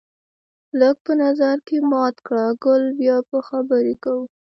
لږ په نظر کې مات کړه ګل بیا به خبرې کوو